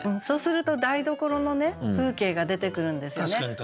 そうすると台所の風景が出てくるんですよね。